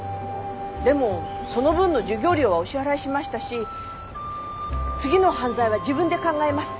でもその分の授業料はお支払いしましたし次の犯罪は自分で考えます。